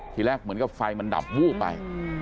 ทีแรกเหมือนกับไฟมันดับวูบไป